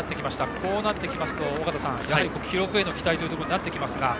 こうなってきますと記録への期待というところになってきますか？